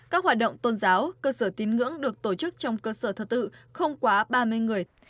các hoạt động tôn giáo cơ sở tín ngưỡng được tổ chức trong cơ sở thờ tự không quá ba mươi người